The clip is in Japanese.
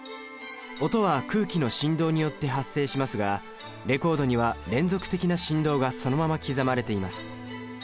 音は空気の振動によって発生しますがレコードには連続的な振動がそのまま刻まれています。